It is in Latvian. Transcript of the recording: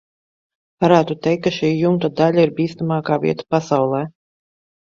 Varētu teikt, ka šī jumta daļa ir bīstamākā vieta pasaulē.